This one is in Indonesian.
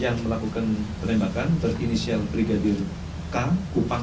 yang melakukan penembakan berinisial brigadir k kupang